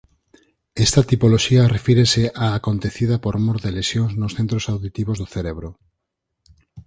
Esta tipoloxía refírese á acontecida por mor de lesións nos centros auditivos do cerebro.